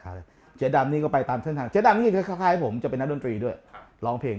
เขาเจ๊ดำนี้ก็ไปตามเชื่อทางให้ผมจะไปนักดนตรีด้วยร้องเพลง